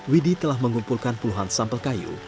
widhi telah mengumpulkan puluhan sampel kayu